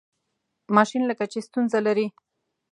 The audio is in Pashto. ماشین لکه چې ستونزه لري.